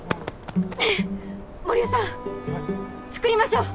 森生さん作りましょう！